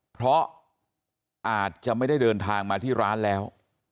เพราะอาจจะไม่ได้เดินทางมาที่ร้านแล้ว